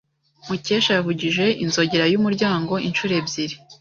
Mukesha yavugije inzogera y'umuryango inshuro ebyiri.